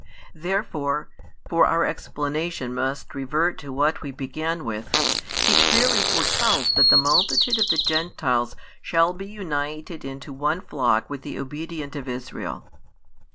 Therefore, for our explanation must revert to what we began with, He clearly foretells that the multitude of the Gentiles shall be united into one flock with the obedient of Israel.